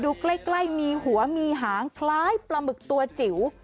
ดูใกล้มีหัวมีหางคล้ายปลาหมึกตัวจิ๋ว